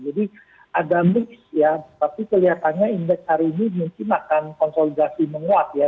jadi ada mix ya tapi kelihatannya indeks hari ini mungkin akan konsolidasi menguat ya